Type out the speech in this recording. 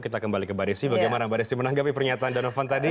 kita kembali ke badesi bagaimana badesi menanggapi pernyataan donovan tadi